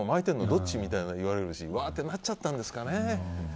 どっち？みたいな言われるしわーってなっちゃったんですかね。